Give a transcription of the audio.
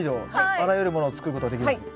あらゆるものを作ることができるんですか？